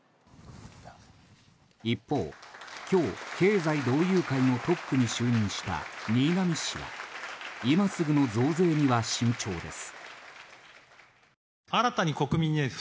一方、今日経済同友会のトップに就任した新浪氏は今すぐの増税には慎重です。